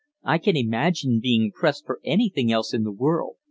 I can imagine being pressed for anything else in the world.